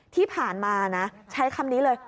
ที่ผ่านมานะใช้คำนี้เลย